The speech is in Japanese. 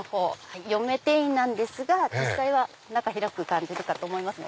４名定員なんですが実際は中広く感じるかと思います。